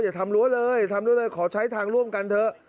อย่าทำรั้วเลยทำรั้วเลยขอใช้ทางร่วมกันเถอะ